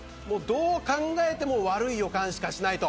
どう考えても悪い予感しかしないと。